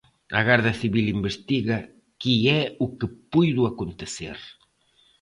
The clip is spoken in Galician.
A Garda Civil investiga que é o que puido acontecer.